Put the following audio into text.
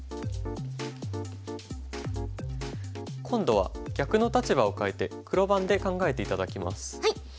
今度は逆の立場を変えて黒番で考えて頂きます。